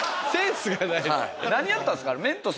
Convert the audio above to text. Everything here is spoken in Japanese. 何やったんすか？